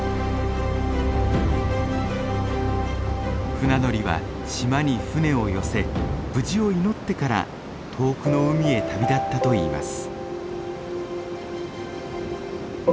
船乗りは島に船を寄せ無事を祈ってから遠くの海へ旅立ったといいます。